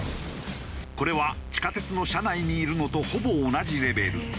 これは地下鉄の車内にいるのとほぼ同じレベル。